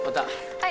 はい。